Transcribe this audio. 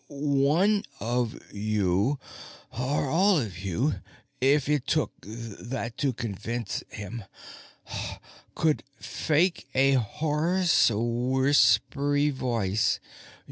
"One of you or all of you, if it took that to convince him could fake a hoarse, whispery voice.